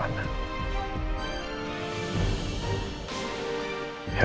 yang penting kamu kembali ke papa